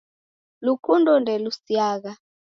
Lukundo ndelusiagha.